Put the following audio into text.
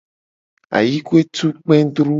Ayikue tu kpedru.